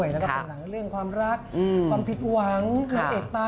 เรื่องความรักความผิดหวังกว่าเอ็กตาย